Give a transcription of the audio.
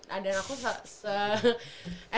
nah dan aku se